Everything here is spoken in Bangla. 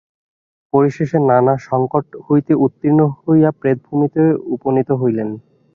পরিশেষে নানা সঙ্কট হইতে উত্তীর্ণ হইয়া প্রেতভূমিতে উপনীত হইলেন।